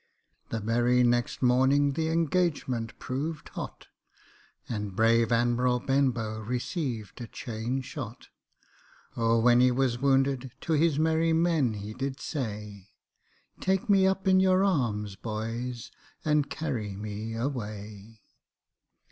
" The very next morning — the engagement proved — hot, And brave Admiral Benbow receiv ed a chain — shot. O when he was wounded to his merry men — he — did — say, Take me up in your arms, boys, and car ry me a way.